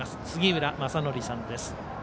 杉浦正則さんです。